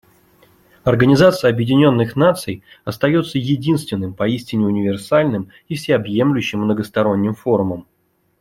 Организация Объединенных Наций остается единственным поистине универсальным и всеобъемлющим многосторонним форумом.